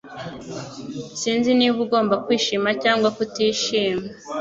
Sinzi niba ugomba kwishima cyangwa kutishima